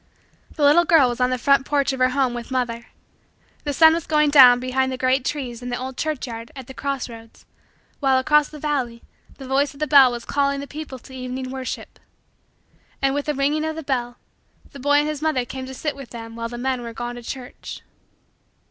The little girl was on the front porch of her home with mother. The sun was going down behind the great trees in the old churchyard at the cross roads while, across the valley, the voice of the bell was calling the people to evening worship. And, with the ringing of the bell, the boy and his mother came to sit with them while the men were gone to church.